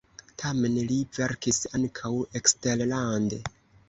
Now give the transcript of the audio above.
Tamen li verkis ankaŭ eksterlande.